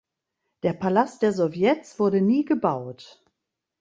Der Palast der Sowjets wurde nie gebaut.